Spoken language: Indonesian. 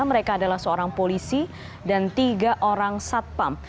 mereka adalah seorang polisi dan tiga orang satpam